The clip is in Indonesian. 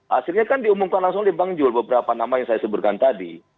hasilnya kan diumumkan langsung oleh bang jul beberapa nama yang saya sebutkan tadi